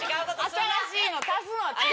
新しいの足すのは違う。